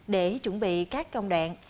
để chuẩn bị các công đoạn